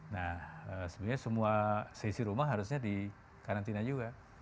nah sebenarnya semua seisi rumah harusnya di karantina juga